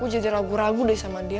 gue jadi ragu ragu deh sama dia